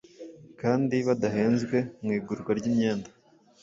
kandi badahenzwe mwigurwa ryimyenda